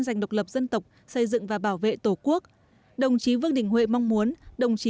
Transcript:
dành độc lập dân tộc xây dựng và bảo vệ tổ quốc đồng chí vương đình huệ mong muốn đồng chí